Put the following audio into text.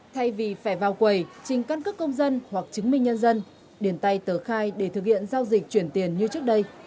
thay vì phải vào quầy trình căn cước công dân hoặc chứng minh nhân dân điền tay tờ khai để thực hiện giao dịch chuyển tiền như trước đây